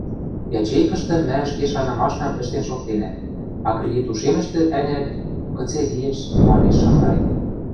— Ячейкӹштӹ мӓ ӹшке шанымашнам ӹштен шоктенӓ, а кредит ушемӹштӹ — ӓнят, кыце лиэш... — манеш Шамрай.